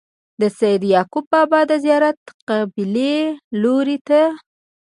د سيد يعقوب بابا د زيارت قبلې لوري ته